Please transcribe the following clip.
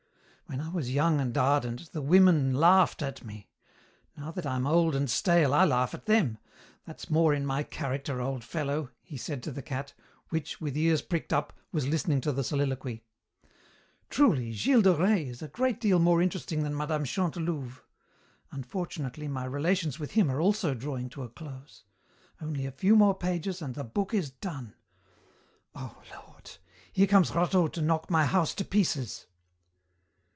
"When I was young and ardent the women laughed at me. Now that I am old and stale I laugh at them. That's more in my character, old fellow," he said to the cat, which, with ears pricked up, was listening to the soliloquy. "Truly, Gilles de Rais is a great deal more interesting than Mme. Chantelouve. Unfortunately, my relations with him are also drawing to a close. Only a few more pages and the book is done. Oh, Lord! Here comes Rateau to knock my house to pieces."